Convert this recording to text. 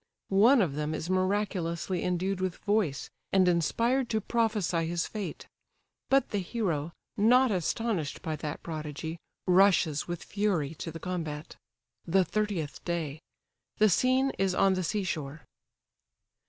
One of them is miraculously endued with voice, and inspired to prophesy his fate: but the hero, not astonished by that prodigy, rushes with fury to the combat. The thirtieth day. The scene is on the sea shore.